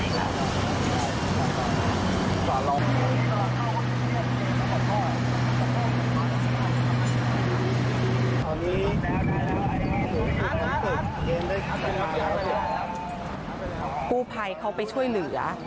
กู้ภัยเขาไปช่วยเหลือ